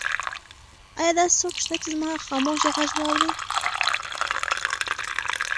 ایا داسې څوک شته چې زما خاموشه غږ واوري؟